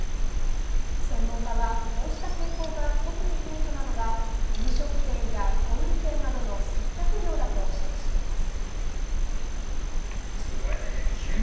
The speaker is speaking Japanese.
専門家は、こうした傾向が特に顕著なのが飲食店や小売店などの接客業だと指摘しています。